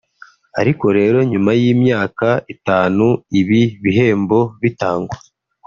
ariko rero nyuma y’imyaka itanu ibi bihembo bitangwa